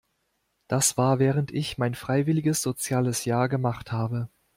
Das war während ich mein freiwilliges soziales Jahr gemacht habe.